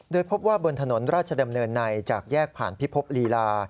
โดยพบว่าบนถนนราชดำเนินในจากแยกผ่านพิภพลีลา